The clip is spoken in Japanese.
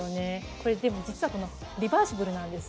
これでも実はリバーシブルなんです。